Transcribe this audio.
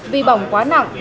vì bỏng quá nặng